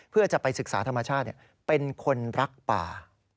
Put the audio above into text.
เพื่อจะไปศึกษาธรรมชาติเป็นคนรักป่า